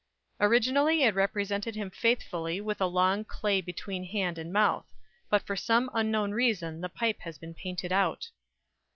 Originally it represented him faithfully with a long clay between hand and mouth; but for some unknown reason the pipe has been painted out.